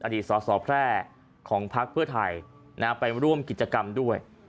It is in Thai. อดีตสอสอแพร่ของพักเพื่อไทยไปร่วมกิจกรรมด้วย